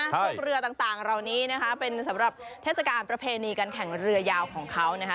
พวกเรือต่างเหล่านี้นะคะเป็นสำหรับเทศกาลประเพณีการแข่งเรือยาวของเขานะคะ